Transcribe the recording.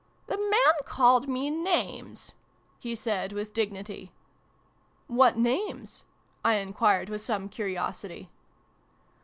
" The man called me names," he said with dignity. " What names ?" I enquired with some curiosity.